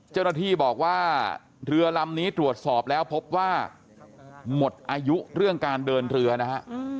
เจ้าหน้าที่บอกว่าเรือลำนี้ตรวจสอบแล้วพบว่าหมดอายุเรื่องการเดินเรือนะฮะ